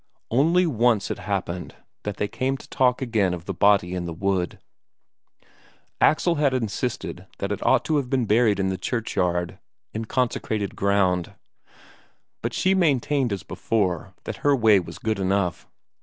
Only once it happened that they came to talk again of the body in the wood. Axel still insisted that it ought to have been buried in the churchyard, in consecrated ground; but she maintained as before that her way was good enough.